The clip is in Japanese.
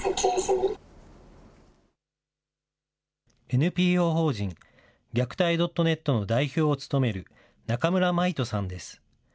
ＮＰＯ法人虐待どっとネットの代表を務める中村舞斗さんです。